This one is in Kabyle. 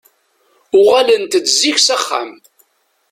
Uɣalent-d zik s axxam.